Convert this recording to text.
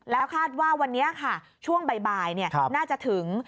แล้วคาดว่าวันนี้ค่ะช่วงบ่ายน่าจะถึง